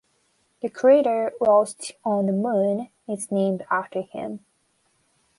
The crater Rost on the Moon is named after him.